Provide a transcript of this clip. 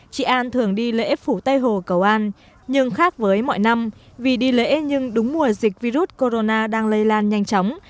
chị an thường đi lễ phủ tây hồ cầu an nhưng khác với mọi năm vì đi lễ nhưng đúng mùa dịch virus corona đang lây lan nhanh chóng